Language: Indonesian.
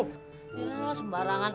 sembarangan udah pangsip dimajah